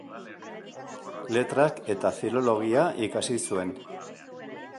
Letrak eta Filologia ikasi zuen.